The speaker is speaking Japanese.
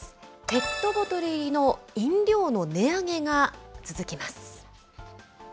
ペットボトル入りの飲料の値上げが続きます。